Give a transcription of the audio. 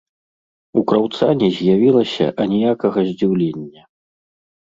У краўца не з'явілася аніякага здзіўлення.